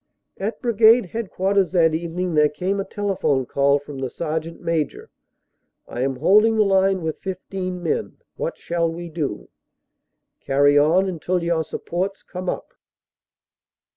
At Brigade Headquarters that evening there came a tele phone call from the Sergeant Major. "I am holding the line with 15 men. What shall we do?" "Carry on until your supports come up."